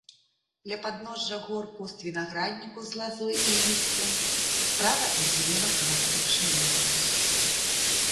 Ля падножжа гор куст вінаградніку з лазой і лісцем, справа і злева каласы пшаніцы.